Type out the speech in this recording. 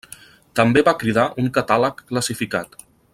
També va cridar un catàleg classificat.